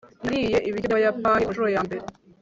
nariye ibiryo byabayapani kunshuro yambere